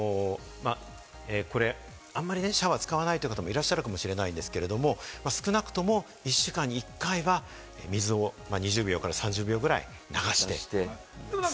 これあんまりね、シャワーを使わない方もいらっしゃるかもしれないですけれども、少なくとも１週間に１回は水を２０秒から３０秒ぐらい流して。